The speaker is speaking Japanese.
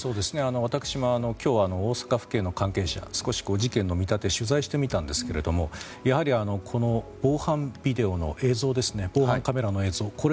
私も今日は大阪府警の関係者に少し事件の見立て取材をしてみたんですけれどもやはりこの防犯カメラの映像ですね。